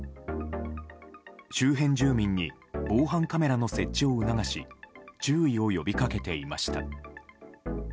周辺住民に防犯カメラの設置を促し注意を呼びかけていました。